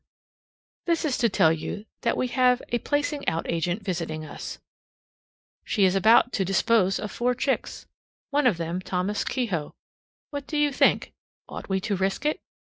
This is to tell you that we have a placing out agent visiting us. She is about to dispose of four chicks, one of them Thomas Kehoe. What do you think? Ought we to risk it?